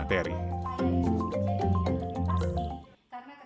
untuk mengajukan ujiannya